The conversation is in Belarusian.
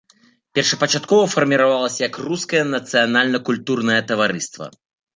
Першапачаткова фарміравалася як рускае нацыянальна-культурнае таварыства.